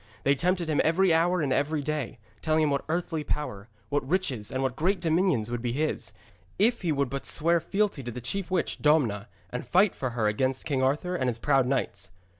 They tempted him every hour and every day, telling him what earthly power, what riches and what great dominions would be his, if he would but swear fealty to the chief witch, Domna, and fight for her against King Arthur and his proud knights.